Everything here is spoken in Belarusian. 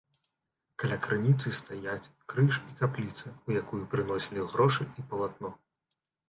Каля крыніцы стаяць крыж і капліца, у якую прыносілі грошы і палатно.